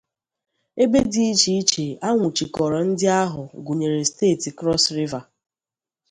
Ebe dị iche iche a nwụchikọrọ ndị ahụ gụnyere steeti Cross River